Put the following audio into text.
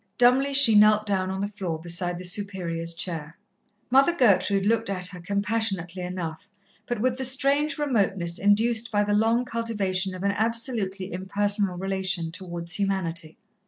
Dumbly she knelt down on the floor beside the Superior's chair. Mother Gertrude looked at her compassionately enough, but with the strange remoteness induced by the long cultivation of an absolutely impersonal relation towards humanity.